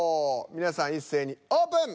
皆さん一斉にオープン！